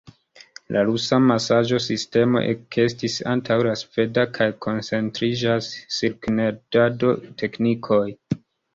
La rusa masaĝo-sistemo ekestis antaŭ la sveda kaj koncentriĝas sur knedado-teknikoj.